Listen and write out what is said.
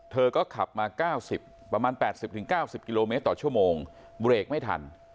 เธอก็ขับมา๙๐ประมาณ๘๐๙๐กิโลเมตรต่อชั่วโมงเบรกไม่ทัน